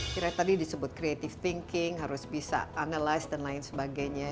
kira tadi disebut creative thinking harus bisa analise dan lain sebagainya